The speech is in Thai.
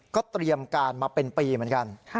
ก็เตรียมการมาเป็นปีเหมือนกัน